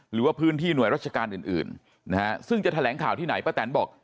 หรือว่าพื้นที่หน่วยราชการอื่นนะฮะซึ่งจะแถลงข่าวที่ไหนป้าแตนบอก